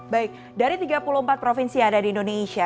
baik dari tiga puluh empat provinsi yang ada di indonesia